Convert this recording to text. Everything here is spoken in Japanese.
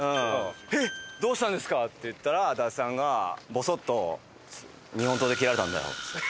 「えっどうしたんですか？」って言ったら伊達さんがボソッと「日本刀で切られたんだよ」っつって。